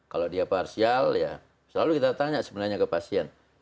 kalau dia parsial ya selalu kita tanya sebenarnya ke pasien